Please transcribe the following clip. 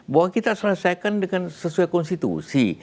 bahwa kita selesaikan dengan sesuai konstitusi